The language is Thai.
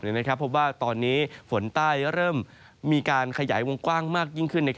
เพราะว่าตอนนี้ฝนใต้เริ่มมีการขยายวงกว้างมากยิ่งขึ้น